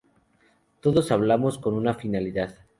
Todos hablamos con una finalidad.